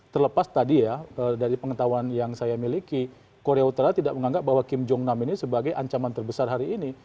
terlepas tadi ya dari pengetahuan yang saya miliki korea utara tidak menganggap bahwa kim jong nam ini sebagai ancaman terbesar hari ini